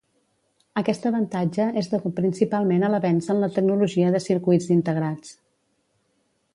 Aquest avantatge és degut principalment a l'avenç en la tecnologia de circuits integrats.